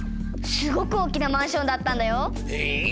すごく大きなマンションだったんだよ。へえ。